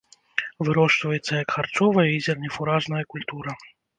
Вырошчваецца як харчовая і зернефуражная культура.